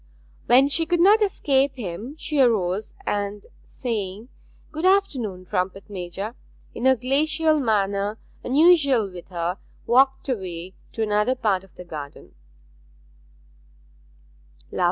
When she could not escape him she arose, and, saying 'Good afternoon, trumpet major,' in a glacial manner unusual with her, walked away to another part of the garden.